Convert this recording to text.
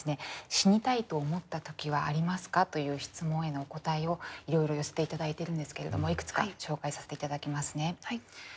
「死にたいと思った時はありますか？」という質問へのお答えをいろいろ寄せて頂いてるんですけれどもいくつか紹介させて頂きますね。